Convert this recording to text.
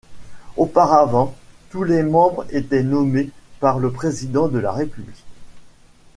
Auparavant tous les membres étaient nommés par le président de la République.